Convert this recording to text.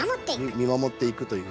見守っていくという。